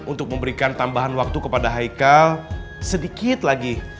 untuk memberikan tambahan waktu kepada haikal sedikit lagi